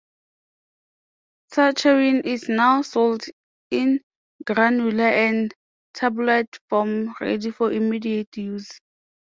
Saccharin is now sold in granular and tabloid form ready for immediate use.